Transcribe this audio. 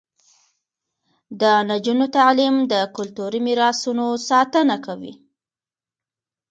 د نجونو تعلیم د کلتوري میراثونو ساتنه کوي.